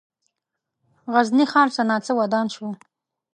غزني ښار څه ناڅه ودان شو.